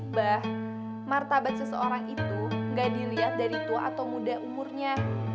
mbah martabat seseorang itu gak dilihat dari tua atau muda umurnya